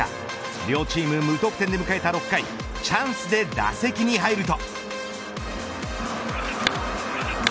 両チーム無得点で迎えた６回チャンスで打席に入ると。